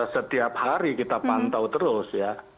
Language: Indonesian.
setiap hari kita pantau terus ya